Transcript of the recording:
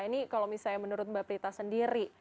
ini kalau misalnya menurut mbak prita sendiri